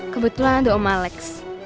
kebetulan ada om alex